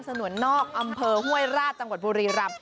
สนวนนอกอำเภอห้วยราชจังหวัดบุรีรำ